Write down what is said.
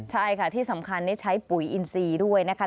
ใช่ค่ะที่สำคัญนี่ใช้ปุ๋ยอินซีด้วยนะคะ